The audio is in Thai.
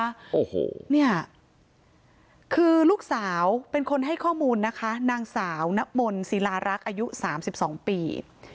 โอ้โหเนี่ยคือลูกสาวเป็นคนให้ข้อมูลนะคะนางสาวนมลศิลารักษ์อายุ๓๒ปี